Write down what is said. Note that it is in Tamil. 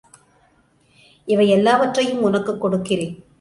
இவையெல்லாவற்றையும் உனக்குக் கொடுக்கிறேன்.